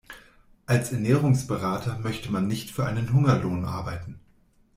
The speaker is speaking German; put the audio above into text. Als Ernährungsberater möchte man nicht für einen Hungerlohn arbeiten.